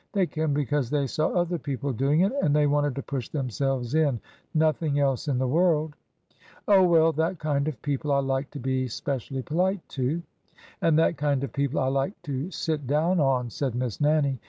They came because they saw other peo ple doing it, and they wanted to push themselves in — nothing else in the world !"" Oh, well, that kind of people I like to be specially polite to." " And that kind of people I like to sit down on !" said Miss Nannie.